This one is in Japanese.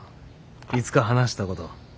いつか話したこと。